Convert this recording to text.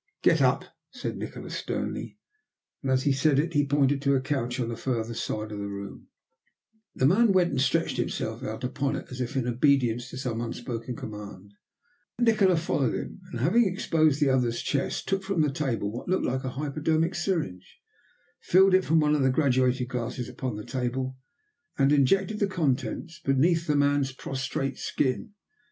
"Get up," said Nikola sternly, and as he said it he pointed to a couch on the further side of the room. [Illustration: "He crawled upon the floor like a dog."] The man went and stretched himself out upon it as if in obedience to some unspoken command. Nikola followed him, and having exposed the other's chest, took from the table what looked like a hypodermic syringe, filled it from one of the graduated glasses upon the table, and injected the contents beneath the prostrate man's skin.